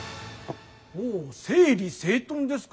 お整理整頓ですか。